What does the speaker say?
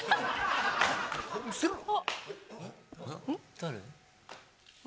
誰？